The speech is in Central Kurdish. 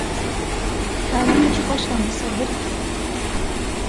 هاوینێکی خۆشتان بەسەر برد؟